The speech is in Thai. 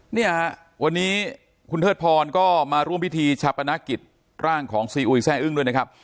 เนี่ยฮะวันนี้คุณเทิดพรก็มาร่วมพิธีชาปนกิจร่างของซีอุยแซ่อึ้งด้วยนะครับ